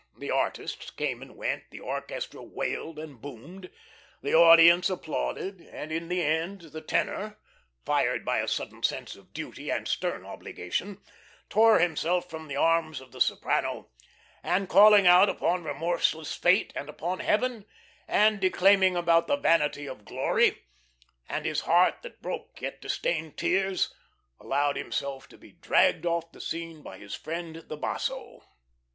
The artists came and went, the orchestra wailed and boomed, the audience applauded, and in the end the tenor, fired by a sudden sense of duty and of stern obligation, tore himself from the arms of the soprano, and calling out upon remorseless fate and upon heaven, and declaiming about the vanity of glory, and his heart that broke yet disdained tears, allowed himself to be dragged off the scene by his friend the basso.